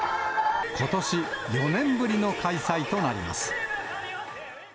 ことし、４年ぶりの開催となります。